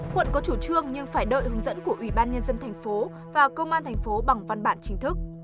quận có chủ trương nhưng phải đợi hướng dẫn của ủy ban nhân dân thành phố và công an thành phố bằng văn bản chính thức